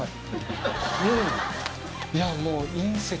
いやもう。